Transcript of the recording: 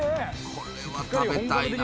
これは食べたいな。